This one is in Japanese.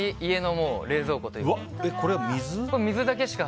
これは水？